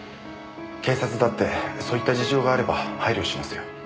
警察だってそういった事情があれば配慮しますよ。